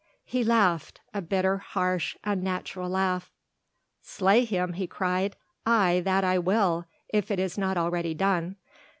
He laughed, a bitter, harsh, unnatural laugh. "Slay him," he cried, "aye that I will, if it is not already done.